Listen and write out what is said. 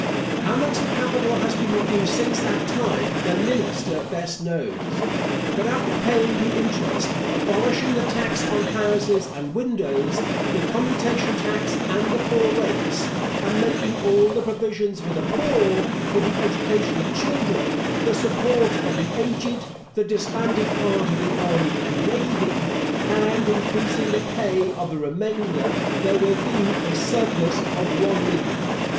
How much the capital has been reduced since that time the minister best knows. But after paying the interest, abolishing the tax on houses and windows, the commutation tax, and the poor rates; and making all the provisions for the poor, for the education of children, the support of the aged, the disbanded part of the army and navy, and increasing the pay of the remainder, there will be a surplus of one million.